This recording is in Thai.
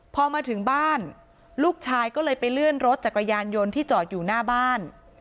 พอมาถึงบ้านลูกชายก็เลยไปเลื่อนรถจักรยานยนต์ที่จอดอยู่หน้าบ้าน